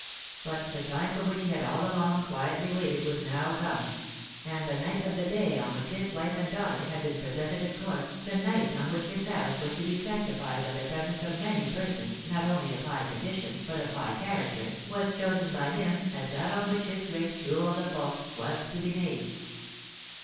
But the time for which he had all along quietly waited was now come ; and the night of the day on which his wife and daughter had been presented at court, the night on which his house was to be sanctified by the presence of many persons, not only of high condition, but of NO ! 357 higli character, was cliosen by him as that on which Ids great tour de force was to be made.